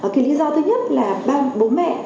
cái lý do thứ nhất là bố mẹ